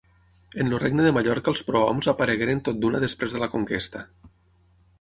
En el regne de Mallorca els prohoms aparegueren tot d'una després de la conquesta.